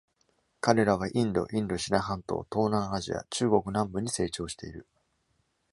彼らはインド、インドシナ半島、東南アジア、中国南部に成長している。